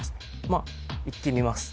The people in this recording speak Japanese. まあいってみます